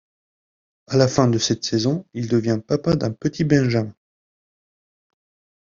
À la fin de cette saison, il devient papa d'un petit Benjamin.